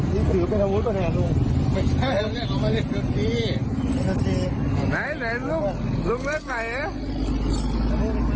นี่คือเป็นอาวุธปะเนี่ยลุงไม่ใช่ลุงเนี่ยเอามาเล่นรถที่รถที่